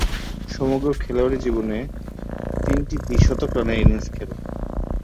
সমগ্র খেলোয়াড়ী জীবনে তিনটি দ্বি-শতক রানের ইনিংস খেলেন।